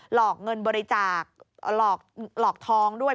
หลอกเงินบริจาคหลอกทองด้วย